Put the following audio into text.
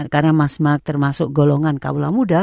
karena termasuk golongan kabula muda